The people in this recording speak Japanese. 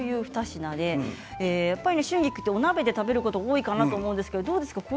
やっぱり春菊ってお鍋で食べることが多いかなと思うんですけどどうですか？